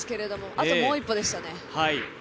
あともう一歩でしたね。